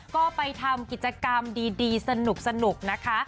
ก็ไปทำกิจกรรมดีสนุกนะคะ